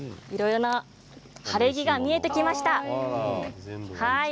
晴れ着が見えてきました。